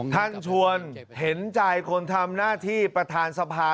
ท่านชวนเห็นใจคนทำหน้าที่ประธานสภา